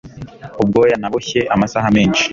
Ubwoya naboshye amasaha menshi